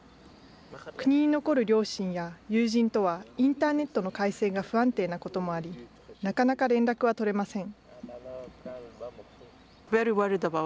国に残る両親や友人とはインターネットの回線が不安定なこともあり、なかなか連絡は取れません。